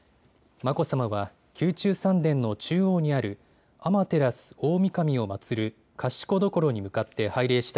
眞子さまは宮中三殿の中央にある天照大神を祭る賢所に向かって拝礼した